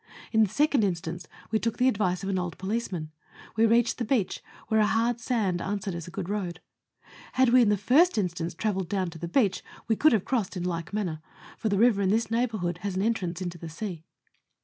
In the second instance we took the advice of an old policeman ; we reached the beach where a hard sand answered as a good road. Had we in the first instance travelled down to the beach, we could have crossed in like manner, for the river in this neighbourhood has an entrance into the sea.